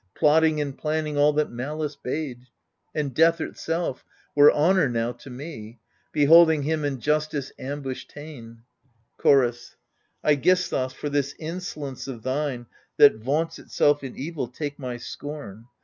Plotting and planning all that malice bade. And death itself were honour now to me, Beholding him in Justice' ambush ta'en. Chorus iEgisthus, for this insolence of thine That vaimts itself in evil, take my scorn.